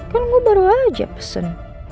kan gue baru aja pesen